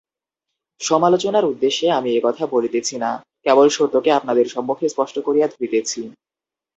সমালোচনার উদ্দেশ্যে আমি এ-কথা বলিতেছি না, কেবল সত্যকে আপনাদের সম্মুখে স্পষ্ট করিয়া ধরিতেছি।